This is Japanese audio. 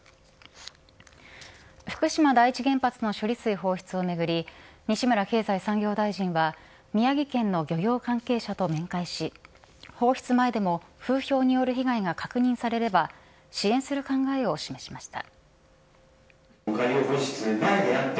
福島第一原発の処理水放出をめぐり西村経済産業大臣は宮城県の漁業関係者と面会し放出前でも風評による被害が確認されれば支援する考えを示しました。